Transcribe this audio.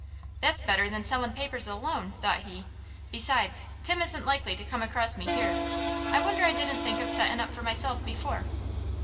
"That's better than sellin' papers alone," thought he. "Besides, Tim isn't likely to come across me here. I wonder I didn't think of settin' up for myself before!"